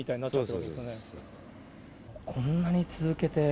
こんなに続けて？